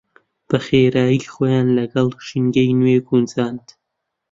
بەخێرایی خۆیان لەگەڵ ژینگەی نوێ گونجاند.